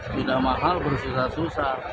tidak mahal bersusah susah